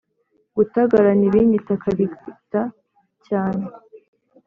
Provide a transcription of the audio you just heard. gatagarana ibinyita akarigita cyane